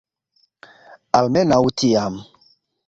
Almenaŭ tiam.